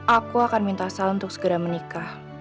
aku akan minta sal untuk segera menikah